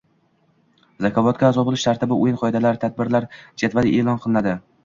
“Zakovat”ga aʼzo boʻlish tartibi, oʻyin qoidalari, tadbirlar jadvali eʼlon qilinadi.